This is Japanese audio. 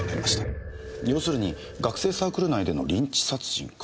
要するに学生サークル内でのリンチ殺人か。